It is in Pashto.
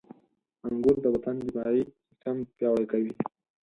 • انګور د بدن دفاعي سیستم پیاوړی کوي.